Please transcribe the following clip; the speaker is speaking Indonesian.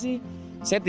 jadi kita harus berharga